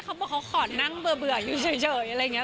เขาบอกเขาขอนั่งเบื่ออยู่เฉยอะไรอย่างนี้